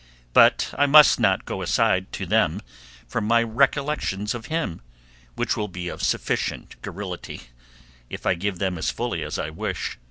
But I must not go aside to them from my recollections of him, which will be of sufficient garrulity, if I give them as fully as I wish.